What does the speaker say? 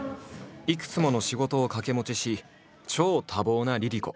いくつもの仕事を掛け持ちし超多忙なＬｉＬｉＣｏ。